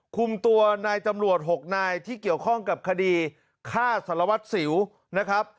คุมตัวนายตำรวจ๖นายที่เกี่ยวข้องกับคดีฆ่าสารวัตรสิวนะครับ